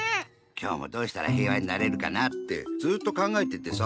きょうもどうしたら平和になれるかなぁってずっとかんがえててさ。